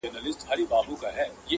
نيمچه ملا سړی کفر ته باسي.